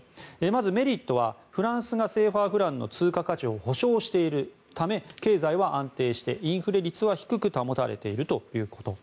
まずメリットはフランスがＣＦＡフランの通貨価値を保証しているため経済は安定してインフレ率は低く保たれているということ。